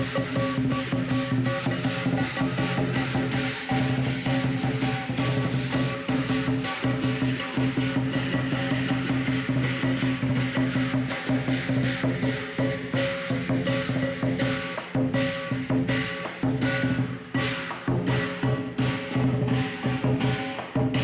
ส่วนช่วงนี้เรามีโชว์มาฝากกับการเชิดสิวนั่นเองครับ